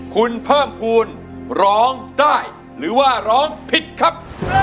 คุณเพิ่มภูมิร้องได้หรือว่าร้องผิดครับ